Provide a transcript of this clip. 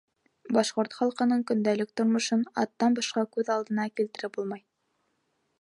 Башҡорт халҡының көндәлек тормошон аттан башҡа күҙ алдына килтереп булмай.